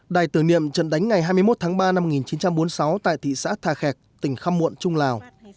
đài tưởng niệm trận đánh ngày hai mươi một tháng ba năm một nghìn chín trăm bốn mươi sáu tại thị xã thà khẹc tỉnh khăm muộn trung lào